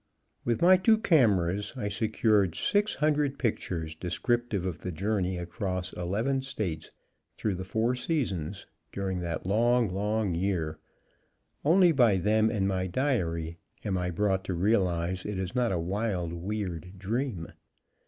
With my two cameras I secured six hundred pictures descriptive of the journey across eleven states, through the four seasons, during that long, long year; only by them and my diary am I brought to realize it is not a wild, weird dream.